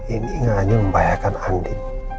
ini hanya membahayakan andi